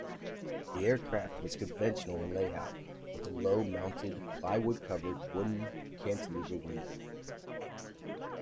The aircraft was conventional in layout, with a low mounted, plywood-covered wooden cantilever wing.